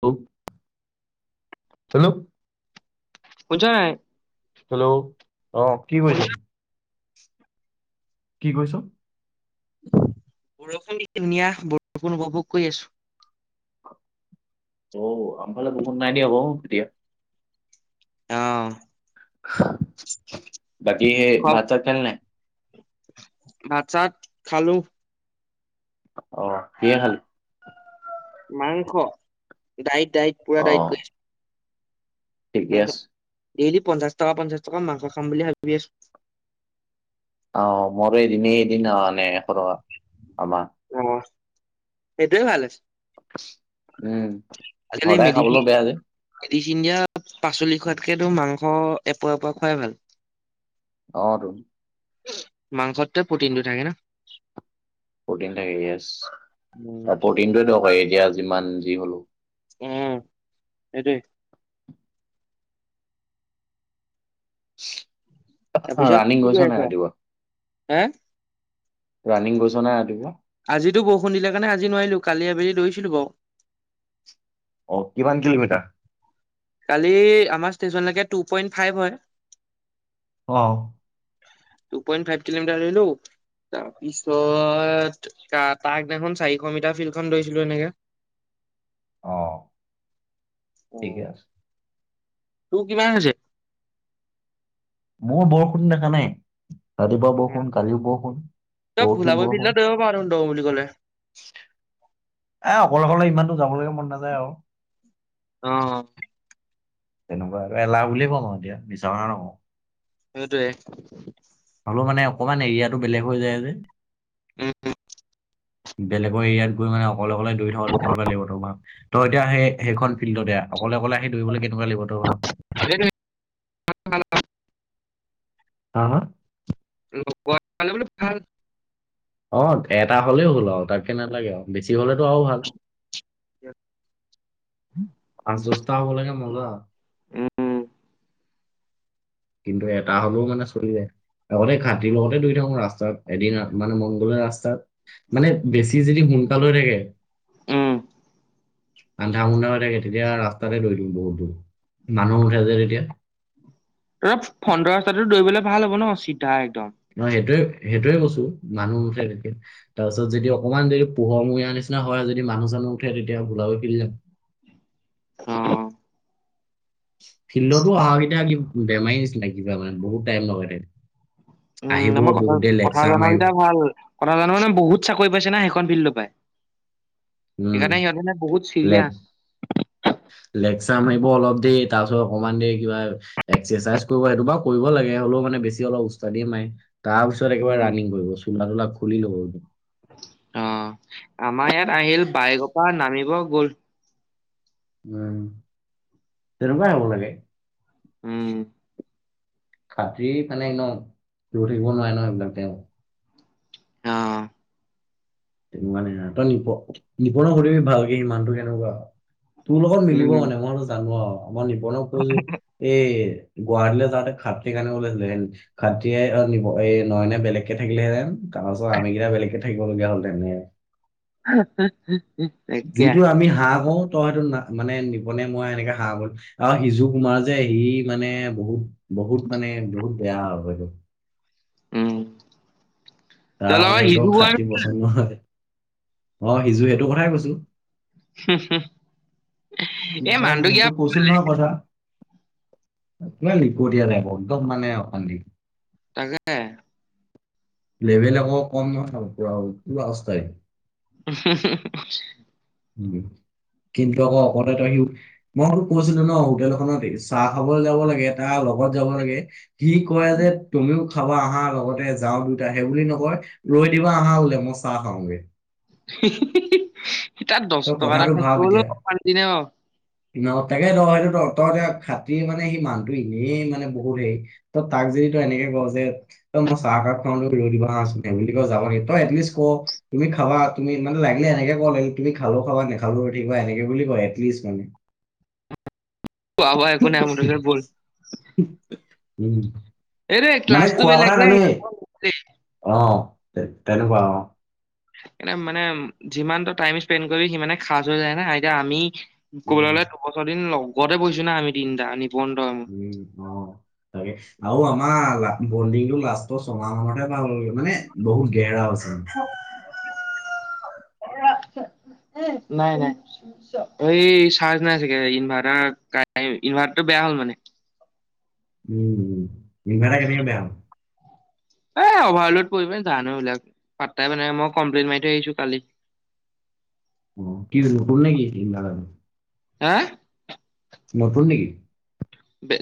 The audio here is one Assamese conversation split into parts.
হেল্ল' হেল্ল' শুনিছ নাই? হেল্ল' অ', কি কৰিছ? কি কৈছ? বৰষুণ এ ধুনীয়া বৰষুণ উপভোগ কৰি আছোঁ। [inaudible] অ', আমফালে বকুোন নাই দিয়া বাৰু এতিয়া। অ', বাকি খোৱা ভাত চাত খালি নাই? ভাত চাত খালোঁ। অ', কিহে খালি? মাংস ডাইট ডাইট পুৰা অ ডাইট কৰি আছোঁ। ঠিকে আছে। ডেইলি পঞ্চাশ টকা, পঞ্চাশ টকা, মাংস খাম বুলি ভাবি আছোঁ। অ', মই আৰু এদিন এৰি এদিন আনো এশ টকাৰ আমাৰ। সেইটোৱেই ভাল হৈছে। উম আজিকালি সদায় খাবলৈও বেয়া যে মেডীচিন দিয়া পাচলি খোৱাত তাকেইটো মাংস এক পোৱা এক পোৱা কোৱাই ভাল। অ'। মাংসত প্ৰটিন থাকে ন? প্ৰটিন থাকে য়েচ উম আৰু প্ৰটিনটোই দৰকাৰী এতিয়া যিমান যি হ'লেও। উম সেইটোৱেই। ৰানিং গৈছা নে নাই ৰাতিপুৱা? হা? ৰানিং গৈছা নে নাই ৰাতিপুৱা? আজিটো বৰষুণ দিলে কাৰনে আজি নোৱাৰিলো কালী আবেলি দৌৰিছিলো বাৰু। অ', কিমান কিলোমিটাৰ? কালি আমাৰ ষ্টেচনলৈকে টু পইন্ট ফাইভ হয়। অ', টু পইণ্ট ফাইভ কিলমিটাৰ দৌৰিলো। তাৰপিছত তাক দেখোন চাৰিশ মিটাৰ ফিল্ডখন দৌৰিছিলো এনেকা অ', ঠিকে আছে। তোৰ কিমান আছে? মোৰ বৰষুণ দেখা নাই ৰাতিপুৱা বৰষুণ কালিও বৰষুণ। তই পৰহিও ভলীবল বৰষুণ ফিল্ডত দৌৰিব পাৰ দেখোন দৌৰু বুলি কলে। এ অকলে অকলে ইমান দূৰ যাবলৈকে মন নাযায় আৰু। অ'। তেনেকুৱা আৰু এলাহ বুলি এ কম আৰু এতিয়া এতিয়া মিছা নহওঁ। সেইটোৱেই। মানে অকমান এৰিয়াাতটো বেলেগ হৈ যায় যে। হম হম। বেলেগৰ এৰিয়াত গৈ মানে অকলে অকলে দৌৰি থকাাটো কেনেকোৱা লাগিব তমাৰ তই এতিয়া সেই সেইখন ফিল্ডতে আহ অকলে অকলে সেই দৌৰিব‌‌ নালাগে। কেনেকুৱা লাগিব তই ভাব। হা হা? [unintelligible] অ' এটা হ'লেও হ'ল আৰু তাত কে নালাগে আৰু বেছি। য হলেতো আৰু ভাল। আৰু চুচতা হ'ব লাগে আৰু মজা। উম, কিন্তু এটা হলেও মানে চলি যায়। আগতে ঘাটিৰ লগতে দৌৰি থাকো ৰাস্তাত এদিন মানে মংগোলীয়া ৰাস্তাত মানে বেছি য সোনকাল হৈ থাকে। [inaudible] আন্ধাৰ মুন্ধাৰ হৈ থাকে তেতিয়া ৰাস্তাতে দৌৰি দিম বহুত দূৰ। মানুহ উঠ যে এতিয়া। ত ফন্দৰ ৰাস্তাটো দৌৰিবলৈ ভাল হ'ব ন চি অ' সেইটোয়ে সেইটোয়ে কৈছো মানুহ মুঠে এনেকে তাৰ পিছত যদি অ', অকমান দে পোহৰ মু না নিচিনা হয় যদি মানুহ জানো উঠে তেতিয়া বোলাব ফেলি যম অ'। ফিল্ডতো অহা কেইটা বেমাৰী নিচিননা কিবা মানে বহুত টাইম লগাই। উম আহিব আমই কথা বহুত দেৰি কথা জ লেকচাৰ মাৰিব কেইটা ভাল কথা জোৱা মানে বহুত চাকৰি পাইছে না স ফো পাই উম সেইকাৰণে সিহঁতে বহুত চিৰিয়া। াৰিব অলপ দেৰি তাৰপিছত অকমান দেৰি কিবা এক্সাৰচাইজ কৰিব সেইটো বাৰ কৰিব লাগে হলেও মানে বেছি অলপ উস্ত দ মাই তাৰ পিছত একেবাৰে ৰানিং কৰিব চোলা তোলা খুলি ল'ব। অ' আমাৰ ইয়াত আহিল বাইগপা নামিব গ'ল। উম, তেনেকুৱাই হব লাগে। উম। খাটৰি মানে ন লৈ থাকিব নোৱাৰে ন এইবিলাক তেওঁ। অহ' তেনেকুৱা নাই তই নিপ নিপণক সুধিবি ভালকে সিমানটো কেনেকুৱা। তোৰ লগত মিলিব উম মানে মইতো জানো আৰু আমই নিপনক কৈছো। এই গুৱাহাটীলৈ যাওঁতে খাত্ৰীৰ কাৰণে গলেন খাত্ৰীয়ে নি এ নয়নে বেলেগকে থাকিলহেঁতেন তাৰপাছত আমি কেইটা বেলেগকে থাকিব লগগীয়া হ'ল তেনে। [unintelligible] তাকে যিটো আমি হাঁহ কও তই সটো না মানে নিবনে মই এনেকে হাঁহ বলো আৰু সিজু কুমাৰ যে সি মানে বহুত বহুত মানে বহুত বেয়া হয়। উম। তই তাৰ লগত মানে সিজো একদম কোৱা খাতী পচন্দ হয়, অ' সিজো এইটো কথাই কৈছো। [unintelligible] এই কিবা মানুহটো নিচ কিয়া তোক কৈছিল নহয় কথা। ল দীয়া াই একদম মানে অ'। তাকে লেভেল আকৌ কম নথাব পৰা হ'ল পোৱা অৱস্থাই। [unintelligible] উম, কিন্তু আকৌ কোৱাৰ্টাৰত ৰাখিব মই সো কৈছিলো ন হোটেলখনতে চাহ খাবলৈ যাব লাগে তাৰ লগত যাব লাগে। হি কয় যে তুমিও। খাবা আহা লগতে যাওঁ দুয়োটা সেইবুলি নকয় ৰৈ দিবা আহা বোলে মই চাহ খাওঁগে। [unintelligible] তই টকা এটা কথাাতটো খৰচ ভাব কৰিবলৈও এতিয়া, অশান্তি ন ন তাকে ত সেইটো ত তই খাতি মানে সি মানুহটো এনেই মানে বহুত হেৰি ত তাক যদি তই এনেকে ক যে মই চাহ কাপ খাওঁ ৰৈ দিবা আহাচোন বুলি ক যাব নেকিই এটলিষ্ট ক তুমি খাবা তুমি মানে লাগিলে। তেনেকে ক'ল তুমি খালো খাবা নেখালো ৰয় থাকিবা এনেকে বুলি কয় এটলিষ্ট মানে। খোৱা বোৱা একো নাই মুঠতে ব'ল উম। এই মানে ক্লাছটো খোৱা বেলেগ কথা যে নানেই অ' তেনেকুৱা এ মানে যিমানটো টাইম স্পেণ্ড কৰিবি, সিমানে সাজ হৈ যায় না এতিয়া আমি ক'বলৈ উম, গ'লে দুবছৰ দিন লগতে বহিছো না আমি তিনিটা নিপন তই মই উম, অ' তাকে আৰু আমাৰ বলডিংটো লাষ্টৰ ছমাহ মানতহে ভাল হ'লগৈ, মানে বহুত ঘেৰা হৈছে। [unintelligible] [unintelligible] নাই নাই এই চাৰ্জ নাই চাগে ইনভাৰ্টাৰ ইনভাৰ্টাৰ টো বেয়া। হ'ল মানে। উম, উম, ইনভাৰ্টাৰ কেনেকে বেয়া হ'ল মানে। এ অভাৰলোড পৰি পেলায় জানো এইবিলাক পাত্তাই মানে মই কমপ্লেইন মাৰি থৈ আহিছো কালি [inaudible] অ' কি নতুন নেকি ইনভাৰ্টাৰ টো। হা নতুন নেকি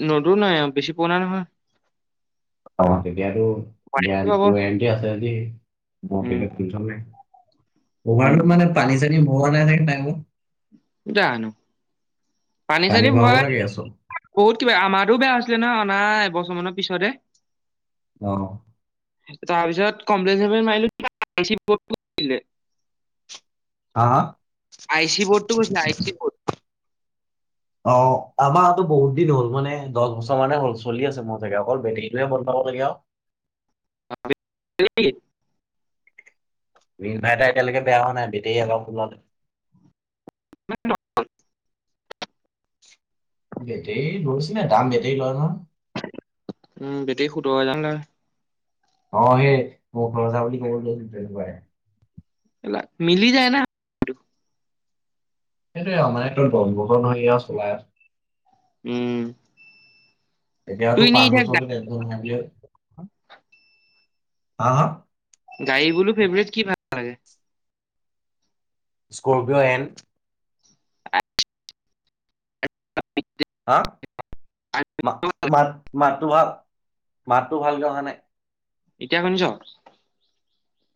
নতুনে বেছি পুৰণা নহয় তেতিয়াটো গেৰা ৱাৰেণ্টি আছে যদি উম টেনচন নাই উম কভাৰটো মানে পানী ছানি ভৰোৱা নাই নে টাইমত যানো পানী চানী ভৰাব লাগে চব। ভৰাই বহুত কিবা আমাৰোটো বেয়া হৈছিলে নহয় অনা এবছৰ মানৰ পিছতে অহ' তাৰপিছত কমপ্লেন সমপ্লেন মৰিলোঁ [unintelligible] [unintelligible] হা হা গৈছিলে আই চি বৰ্ড অ' আমাৰতো বহুত দিন হ'ল মানে দহ বছৰ মানে হ'ল চলি আছে মজাকে অকল বেটাৰীটো হে [inaudible] অ [unintelligible] [unintelligible] ইনভাৰ্টাৰ এতিয়ালৈকে বেয়া হোৱা নাই বেটেৰী ন [inaudible] বেটেৰীত গৈছিলে, দাম বেটেৰীত লয় নহয়। উম, বেটেৰীত সোতৰ হাজাৰ মান লয় অ' সেই সোঁতৰ হাজাৰ বোলি তেনেকুৱা মিলি যায় না সেইটোৱে মানেটোৰ আৰু দহ বছৰ ধৰি চলাই আছ। উম। তোৰ এতিয়াতো এনেই পাঁচ এতিয়া বছৰলৈ টেনচন নাই বুলি ভাবো, হা হা গাৰী বোলো ফেবাৰেত কি ভাল লাগে? স্কৰ্পিঅ' এন হা ম ম তৱ [unintelligible] [unintelligible] মাতটো ভালকে অহা নাই। এতিয়া শুনিছ?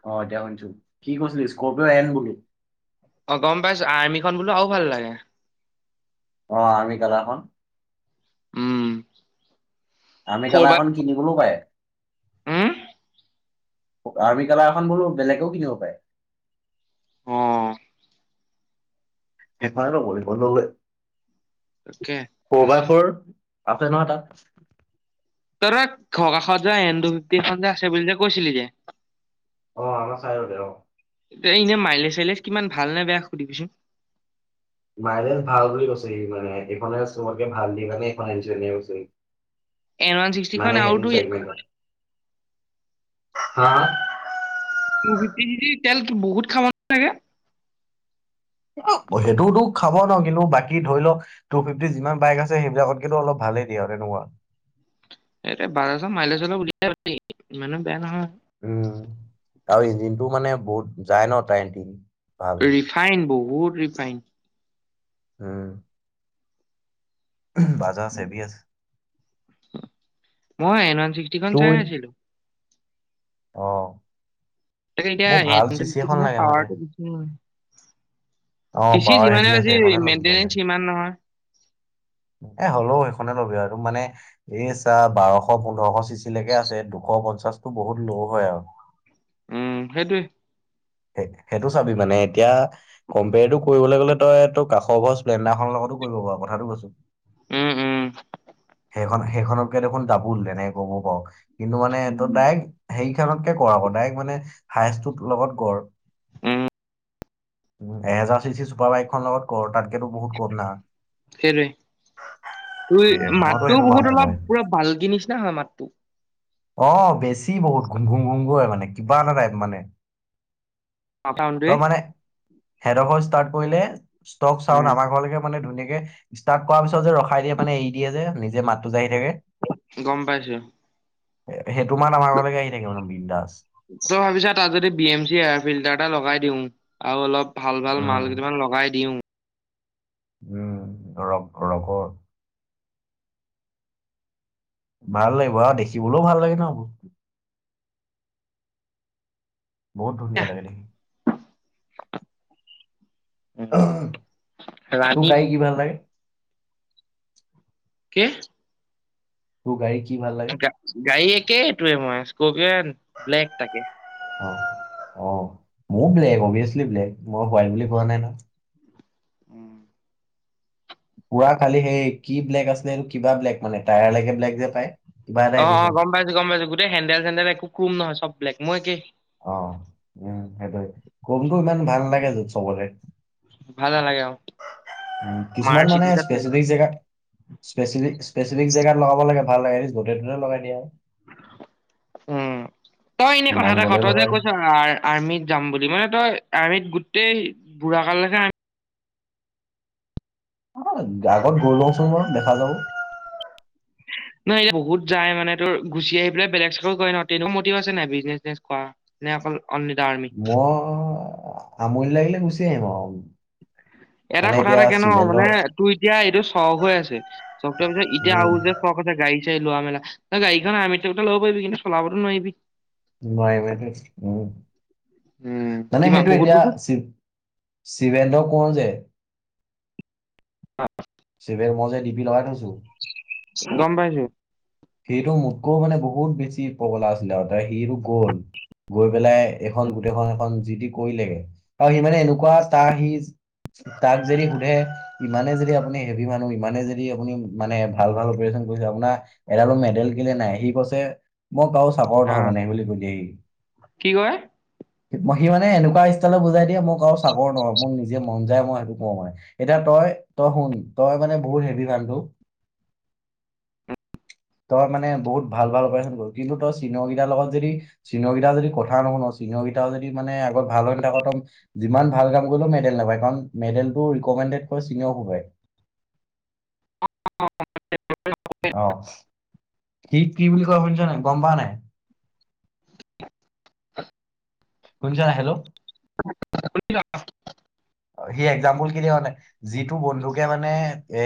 অ' এতিয়া শুনিছো, কি কৈছলি স্কৰপিঅ এন বুলি? অ' গম পাইছো আৰ্মিখন বোলো আৰু ভাল লাগে। অ' আৰ্মী কালাৰ খন। উম। আমি ফ'ৰ বাই কালাৰখন কিনিবলৈও পায়। উম আৰ্মি কালাৰখন বোলো বেলেগেও কিনিব পাৰে। অ'। হেইখনে লব লাগিব ললে। তাকে। ফ'ৰ বাই ফ'ৰ আছে নহয় তাত। তহঁতৰ যে ঘৰকাষত ন টো ফিফটি এখন আছে বুলিজে কৈছিলি যে। অ' আমাৰ চাইডতে অ'। এ ইনে মাইলেজ চাইলেজ কিমান ভাল নে বেয়া সুধিবিচোন। মাইলেজ ভাল বুলি কৈছে ইমানে হেইখনে চবতকে ভাল দিয়ে কাৰনে সেইখন আনিছে এনেকে কৈছে। এন ওৱান ছিক্সটিখন মানে আৰু হেতু তোৰ চেগমেণ্ট। হা টো ফিফটি চি চি তেল বহুত খাব ছাগে। সেইটোতো খাব ন কিন্তু বাকী ধৰি লওক টু ফিফটি যিমান বাইক আছে সেইবিলাকত কিন্তু অলপ ভাল। ভালে দিয়া এ আৰু তেনেকোৱা। এ বাৰশৰ মাইলেজ অলপ উলিয়াই ইমানো বেয়া নহয়। উম আৰু ইঞ্জিনটো মানে বহুত যায় ন তাৰ ইঞ্টিন। ৰিফাইন বহুত ৰিফাইন। হম। বাজা আছেব আছে। মই এন ওৱান চিক্সটিখন চাই আছিলো। আহ। এতিয়া পাৰ অ চিচি পাৱাৰ যিমানে হেভি আছে আজি সেইখনে লবি ললে মেইনটেনেঞ্চ সিমান নহয়। এ হ'লেও সেইখনে ল'বি আৰুটো মানে এই চাহ বাৰশ পোন্ধৰশ চিচিলৈকে আছে দুশ ছ পঞ্চাশতটো বহুত ল' হয় আৰু। [unintelligible] সেইটো চাবি মানে এতিয়া কম্পেয়াৰটো কৰিবলৈ গলে তই তোৰ কাষ কহজ প্লেণ্ডাৰখনৰ লগতো কৰিব বাৰু কথাটো কৈছো। উম, উম, সেইখন সেইখনতকে দেখোন দাবুল তেনেকে ক'ব পাৰ' কিন্তু মানে উম ডাইৰেক্ট সেই সিহঁতকে কৰ আকৌ ডাইৰেক্ট, মানে হায়ষ্টটো লগত কৰ। উম, উম, এহেজাৰ চি চি চুপাৰ বাইক খনৰ লগত কৰ তাত একো বহুত কম নহা। ত মাতটো বহুত অলপ পুৰা ভাল জিনছ না হয় মাতটো? অ' বেছি বহুত ঘুম ঘুম ঘুং গ হয় মানে কিবা এটা টাইপ মানে। [unintelligible] সেডোখৰ ষ্টাৰ্ট কৰিলে ষ্টক চাউন আমাৰ ঘৰলৈকে মানে ধুনীয় ষ্টাৰ্ট কৰাৰ পিছত যে ৰখাই দিয়ে মানে এৰি দিয়ে যে নিজে মাতো যায়ি থাকে। গম পাইছো। সেইটো মান আমাৰ ঘৰলৈকে আহি থাকে মানে বিন্দাছ। তই ভাবিছা তাত যদি বি এম এয়াৰ ফিল্টাৰ এটা লগাই দিওঁ আৰু অলপ ভাল ভাল মাল উম কেইটা মান, লগাই দিওঁ। উম, ধৰক ধৰ কৰ ভাল লাগিব আৰু দেখিবলৈও ভাল লাগে ন বস্তু বহুত ধুনীয়া লাগে দেখি উম, তোৰ ৰাণী। গাড়ী কি ভাল লাগে? কি? তোৰ গাড়ী কি ভাল লাগে? গাড়ী একেটোৱে মই স্কৰ্পিঅ' এন ব্লেকটাকেই অ', অ', মোৰ ব্লেক অভিয়াচলি ব্লেক, মই হোৱাইট বুলি কোৱা নাই নহয়। পুৰা খালি সেই কি ব্লেক আছিলে এইটো কিবা ব্লেক মানে টায়াৰ লেকে ব্লেক যে পায়। কিবা এটা অ', অ', এডিচন গম পাইছো গম পাইছো গোটেই হেন্দেল চেন্দেল একো ক্ৰোম নহয় চব ব্লেক মোৰ একেই অ', উম, সেইটোৱে ক্ৰমটো ইমান ভাল নালাগে যত চবৰে। ভাল নালাগে আৰু। কিছুমান মানে মাৰ্চিডিজত ভাল লাগে স্পেচিফিক জেগা স্পেফিক স্পেচিফিক জেগাত লগাব লাগে ভাল লাগে য'তে ত'তে লগাই দিয়ে আৰু। উম। তই এনে কথা মন এটা ক গ'লে তই যে লগাই কৈছ আৰ্মিত যাম বুলি মানে তই আৰ্মিত গোটেই বুঢ়া কাললৈকে আমি আগত গৈ লওচোন বাৰু দেখা যাব। নহ এয়া বহুত যাই মানে তোৰ গুচি আহি পেলাই বেলেগ চাকৰি কৰে নহয়, তেনে মটিভ আছে নাই বিজনেচ চিজনেচ কৰা। নে অকল অনলি দা আৰ্মি? মই আমনি লাগিলে গুচি আহিম আৰু। [unintelligible] এটা মানে কথা এতিয়া থাকে ন চিভেন্দ্ৰ মানে তোৰ এতিয়া এইটো চখ হৈ আছে চখ তোৰ ভিতৰত এতিয়া আৰু উম যে চখ আছে গাড়ী চে লোৱা মেলা ন গড়িখন আৰ্হিত ত' টো, ল'ব পাৰিবি কিন্তু চলাবটো নোৱাৰিবি। নোৱাৰিম সেইটোৱে উম, উম, মানে কিবা সেইটো বহুত এতিয়াি বস্তু শিব শিৱে দ, কওঁ যে। [inaudible] চিবে মইযে ডিপি লগাই থৈচু। গম পাইছো। সিটো মোতকৈও মানে বহুত বেছি পগলা আছিলে আগতে সিটো গ'ল গ'ল পেলাই এখন গোটেইখন এখন যি তি কৰিলেগে, আৰু সি মানে এনেকুৱা তাৰ সি তাক যদি সুধে ইমানে যদি আপুনি হেভি মানুহ ইমানে যদি আপুনি মানে ভাল ভাল অপেৰেচন আপোনাৰ এডালো মেডেল কেলে নাই সি কৈছে মই কাৰো চাকৰ অ নহয় মানে সেই বুলি কৈ দিয়েহি। কি কয়? ম, সি মানে এনেকুৱা ষ্টাইলেত বুজাই দিয়ে মই কাৰো চাকৰ নহওঁ মোৰ নিজে মন যায় মই সেইটো ক'ৰোঁ মানে আৰু এতিয়া তই এ, তই শুন তই মানে বহুত হেভি মানুহটো উম, তই মানে বহুত ভাল ভাল অপাৰেচন কৰো, কিন্তু চিনিয়ৰ কেইটাৰ লগত যদি, চিনিয়ৰ কেইটা যদি কথা নুশুন চিনিয়ৰ পিতাও যদি মানে আগত ভাল হয় [unintelligible] যিমান ভাল কাম কৰিলেও মেডেল নাপায় কাৰণ মেডেলটো ৰিকমেন্দেত তই চিনিঅ হুবাই। [unintelligible] অ', কি কি বুলি কয় শুনিছ' নাই গম পোৱা নাই। শুনচা হেল্ল'। [inaudible] সি একজাম্পুল কি দিয় মানে যিটো বন্ধুকে মানে এ